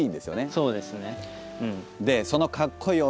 そうですね。